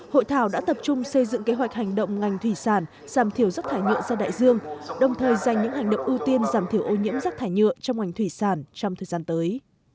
hội thảo đã tập trung xây dựng kế hoạch hành động ngành thủy sản giảm thiểu rác thải nhựa ra đại dương đồng thời dành những hành động ưu tiên giảm thiểu ô nhiễm rác thải nhựa trong ngành thủy sản trong thời gian tới